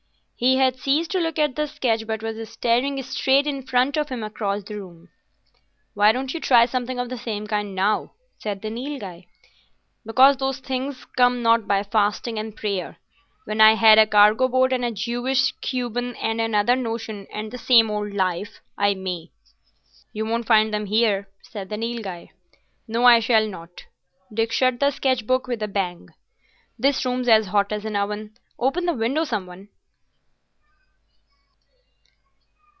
He had ceased to look at the sketch, but was staring straight in front of him across the room. "Why don't you try something of the same kind now?" said the Nilghai. "Because those things come not by fasting and prayer. When I find a cargo boat and a Jewess Cuban and another notion and the same old life, I may." "You won't find them here," said the Nilghai. "No, I shall not." Dick shut the sketch book with a bang. "This room's as hot as an oven. Open the window, some one."